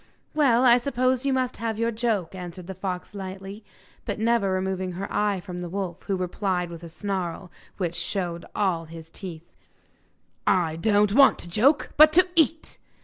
'Well, I suppose you must have your joke,' answered the fox lightly, but never removing her eye from the wolf, who replied with a snarl which showed all his teeth: 'I don't want to joke, but to eat!